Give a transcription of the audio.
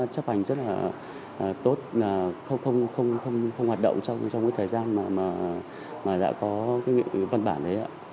chấp hành rất là tốt là không hoạt động trong cái thời gian mà đã có cái văn bản đấy ạ